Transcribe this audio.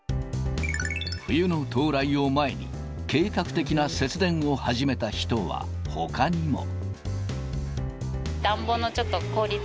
冬の到来を前に、計画的な節電を始めた人はほかにも。